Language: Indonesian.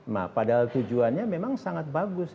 nah padahal tujuannya memang sangat bagus